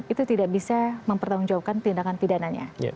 itu tidak bisa mempertanggungjawabkan tindakan pidananya